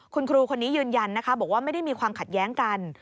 คุณครูคนนี้ยืนยันนะคะบอกว่าไม่ได้มีความขัดแย้งกัน